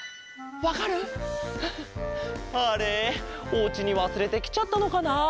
おうちにわすれてきちゃったのかなあ？